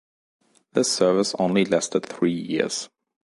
This service only lasted three years.